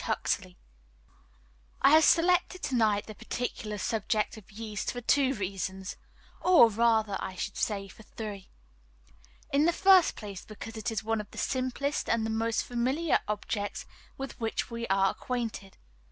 Huxley I HAVE selected to night the particular subject of Yeast for two reasons or, rather, I should say for three. In the first place, because it is one of the simplest and the most familiar objects with which we are acquainted.